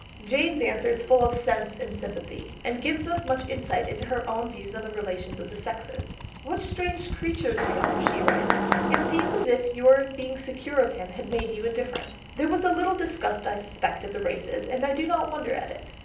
Jane's answer is full of sense and sympathy, and gives us much insight into her own views on the relations of the sexes. "What strange creatures we are," she writes, "it seems as if your being secure of him had made you indifferent.... There was a little disgust I suspect at the races, and I do not wonder at it.